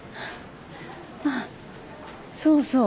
ああそうそう。